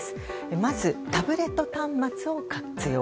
まずタブレット端末を活用。